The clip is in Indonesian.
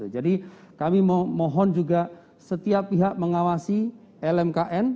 jadi kami mohon juga setiap pihak mengawasi lmkn